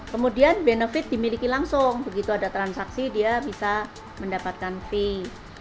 kemudian benefit dimiliki langsung begitu ada transaksi dia bisa mendapatkan fee